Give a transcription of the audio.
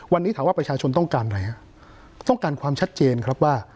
วันนี้ถามว่าประชาชนต้องการอะไรฮะต้องการความชัดเจนครับว่า